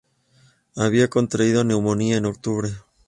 Había contraído neumonía en octubre.